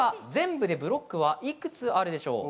全部でブロックはいくつあるでしょうか？